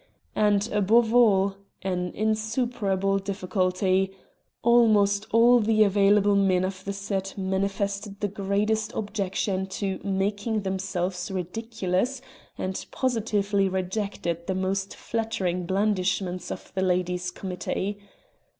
And above all an insuperable difficulty almost all the available men of the set manifested the greatest objection to 'making themselves ridiculous' and positively rejected the most flattering blandishments of the ladies' committee.